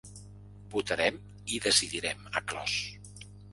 Votarem i decidirem, ha clos.